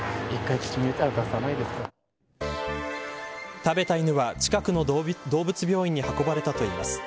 食べた犬は、近くの動物病院に運ばれたといいます。